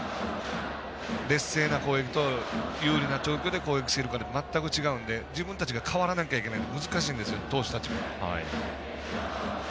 劣勢の攻撃と、有利な状況で攻撃しているかで全く違うので自分たちが変わらなきゃいけない難しいんですよ、投手たちも。